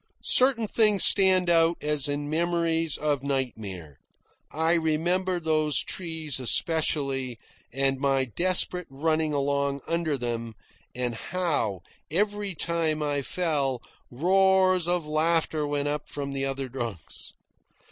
Certain things stand out, as in memories of nightmare. I remember those trees especially, and my desperate running along under them, and how, every time I fell, roars of laughter went up from the other drunks.